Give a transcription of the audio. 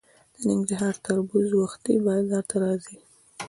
د ننګرهار تربوز وختي بازار ته راځي.